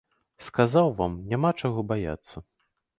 Сказаў, вам няма чаго баяцца.